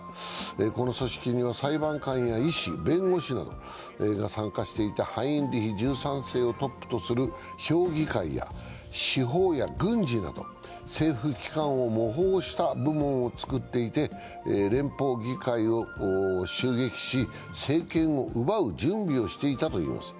この組織には裁判官や医師、弁護士などが参加していてハインリヒ１３世をトップとする評議会や司法や軍事など政府機関を模倣した部門を作っていて連邦議会を襲撃し、政権を奪う準備をしていたといいます。